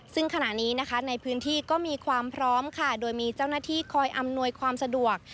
ซึ่งขณะนี้นะคะในพื้นที่ก็มีความพร้อมค่ะโดยมีเจ้าหน้าที่คอยอำนวยความสะดวก